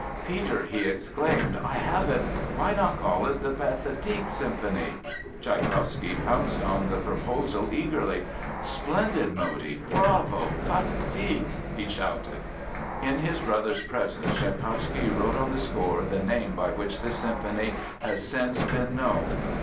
"Peter," he exclaimed; "I have it! Why not call it the 'Pathetic' symphony." Tschaikowsky pounced on the proposal eagerly: "Splendid, Modi, bravo—Pathetic!" he shouted. In his brother's presence Tschaikowsky wrote on the score the name by which the symphony has since been known.